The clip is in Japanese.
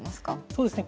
そうですね。